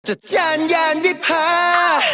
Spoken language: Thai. จัดจานยานวิภา